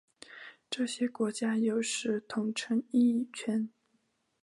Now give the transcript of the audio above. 这些国家有时统称英语圈。